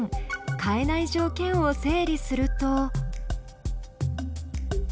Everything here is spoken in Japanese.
変えない条件を整理すると。